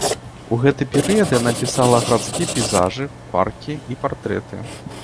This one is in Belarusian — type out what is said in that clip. У гэты перыяд яна пісала гарадскія пейзажы, паркі і партрэты.